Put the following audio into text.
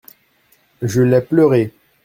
Je l'ai pleuré.